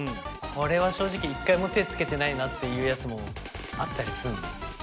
これは正直一回も手つけてないなっていうやつもあったりすんの？